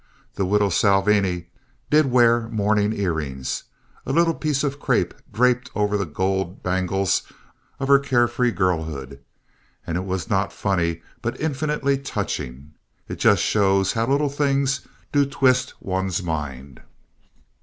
The widow Salvini did wear mourning earrings, a little piece of crape draped over the gold bangles of her care free girlhood, and it was not funny but infinitely touching. It just shows how little things do twist one's mind.